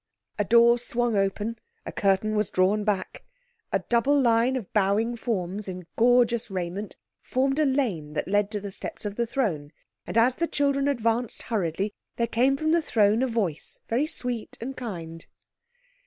A door swung open, a curtain was drawn back. A double line of bowing forms in gorgeous raiment formed a lane that led to the steps of the throne, and as the children advanced hurriedly there came from the throne a voice very sweet and kind.